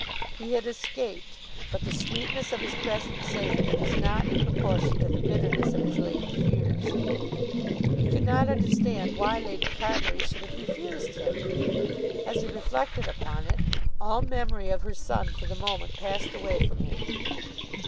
He had escaped; but the sweetness of his present safety was not in proportion to the bitterness of his late fears. He could not understand why Lady Carbury should have refused him! As he reflected upon it, all memory of her son for the moment passed away from him.